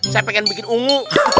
saya pengen bikin ungu